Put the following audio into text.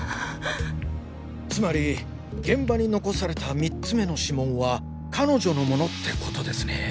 つまり現場に残された３つ目の指紋は彼女のものってことですね？